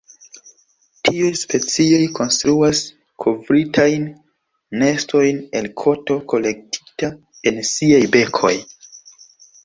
Tiuj specioj konstruas kovritajn nestojn el koto kolektita en siaj bekoj.